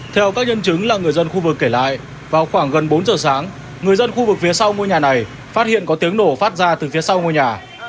theo các nhân chứng là người dân khu vực kể lại vào khoảng gần bốn giờ sáng người dân khu vực phía sau ngôi nhà này phát hiện có tiếng nổ phát ra từ phía sau ngôi nhà